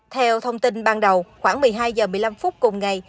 theo thông tin ban đầu khoảng một mươi hai h một mươi năm phút cùng ngày